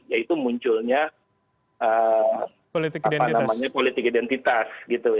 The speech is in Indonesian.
yaitu munculnya politik identitas